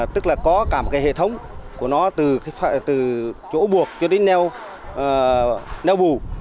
tức là có cả một hệ thống của nó từ chỗ buộc cho đến nheo bù